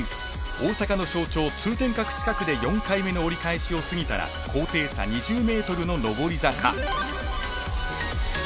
大阪の象徴、通天閣近くで４回目の折り返しを過ぎたら高低差２０ｍの上り坂。